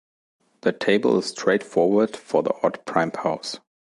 The table is straight forward for the odd prime powers.